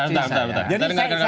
jangan terasa cerita